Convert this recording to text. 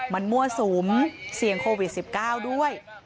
มันมั่วสุมเสี่ยงโควิด๑๙ด้วย